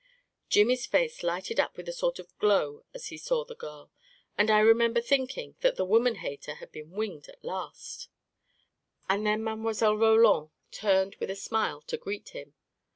Jimmy's face lighted up with a sort of glow as he saw the girl, and I remember thinking that the woman hater had been winged at last ; and then Mile. Roland turned with a smile to greet him.